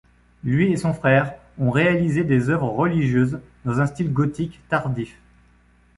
Lui et son frère ont réalisé des œuvres religieuses dans un style gothique tardif.